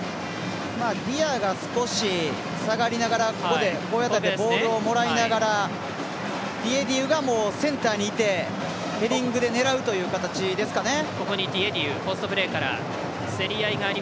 ディアが少し下がりながらボールをもらいながらディエディウがセンターにいてヘディングで狙うという形ですかね。